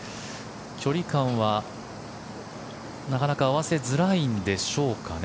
距離感は、なかなか合わせづらいんでしょうかね。